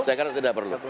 saya kira tidak perlu